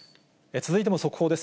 続いても速報です。